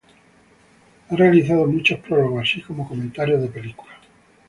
Ha realizado muchos prólogos así como comentarios de películas.